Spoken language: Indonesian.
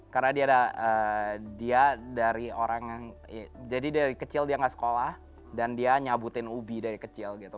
karena dia dari orang yang jadi dari kecil dia gak sekolah dan dia nyabutin ubi dari kecil gitu